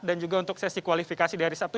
dan juga untuk sesi kualifikasi di hari sabtu